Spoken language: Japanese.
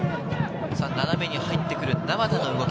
斜めに入ってくる、名和田の動き。